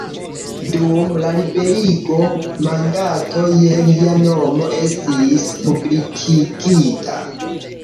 Dum la Liberigo, mandato je lia nomo estis publikigita.